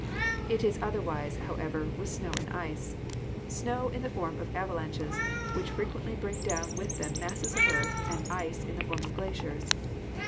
It is otherwise, however, with snow and ice; snow in the form of avalanches, which frequently bring down with them masses of earth, and ice in the form of glaciers.